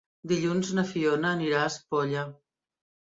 Dilluns na Fiona anirà a Espolla.